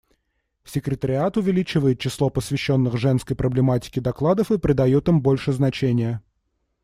Секретариат увеличивает число посвященных женской проблематике докладов и придает им больше значения.